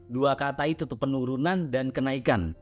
dua kata itu penurunan dan kenaikan